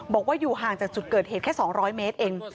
บอกว่าอยู่ห่างจากจุดเกิดเหตุแค่๒๐๐เมตรเอง